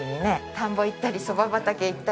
田んぼ行ったりそば畑行ったり。